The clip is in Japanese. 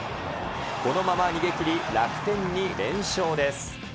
このまま逃げきり、楽天に連勝です。